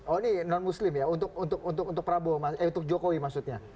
oh ini non muslim ya untuk prabowo eh untuk jokowi maksudnya